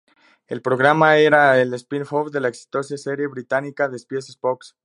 El programa era el spin-off de la exitosa serie británica de espías Spooks.